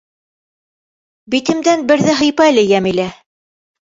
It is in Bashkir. — Битемдән берҙе һыйпа әле, Йәмилә.